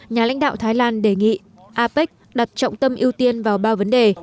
nhà lãnh đạo thái lan đề nghị apec đặt trọng tâm ưu tiên vào ba vấn đề